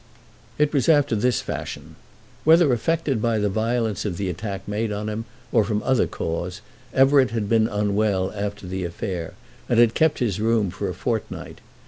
It was after this fashion. Whether affected by the violence of the attack made on him, or from other cause, Everett had been unwell after the affair, and had kept his room for a fortnight.